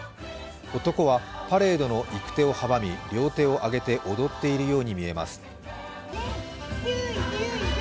男はパレードの行く手を阻み、両手を挙げて踊っているように見えます。